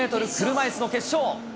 車いすの決勝。